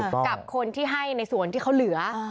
กับคนที่ให้ในส่วนที่เขาเหลือ